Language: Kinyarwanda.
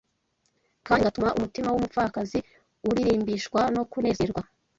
Kandi ngatuma umutima w’umupfakazi uririmbishwa no kunezerwa.